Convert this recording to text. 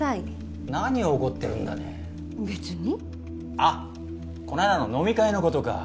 あっこの間の飲み会の事か。